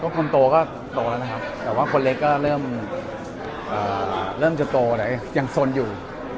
คนโตก็โตแล้วนะครับแต่ว่าคนเล็กก็เริ่มจะโตแล้วยังสนอยู่